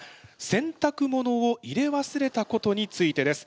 洗濯物を入れわすれたことについてです。